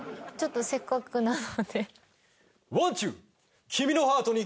ちょっとせっかくなので。